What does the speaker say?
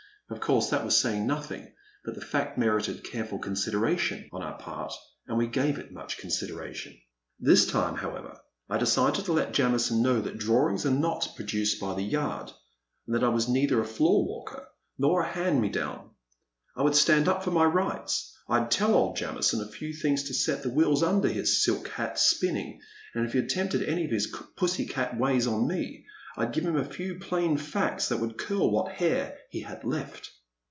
Of course that was saying nothing, but the fact merited careful consideration on our part, and we gave it much consideration. This time, however, I decided to let Jamison know that drawings are not produced by the yard, and that I was neither a floor walker nor a hand me down. I would stand up for my rights ; I *d tell old Jamison a few things to set the wheels under his silk hat spinning, and if he attempted any of his pussy cat ways on me, I 'd give him a few plain facts that would curl what hair he had left.